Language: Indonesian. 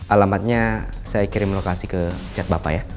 alamatnya saya kirim lokasi ke chat bapak ya